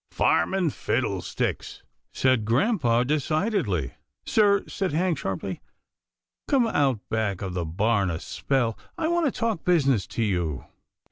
" Farming fiddlesticks," said grampa decidedly. " Sir," said Hank sharply, " come out back of the barn a spell. I want to talk business to you."